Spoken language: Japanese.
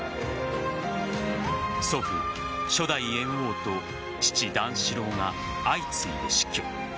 祖父・初代猿翁と父・段四郎が相次いで死去。